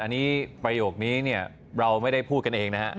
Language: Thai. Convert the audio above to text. อันนี้ประโยคนี้เนี่ยเราไม่ได้พูดกันเองนะฮะ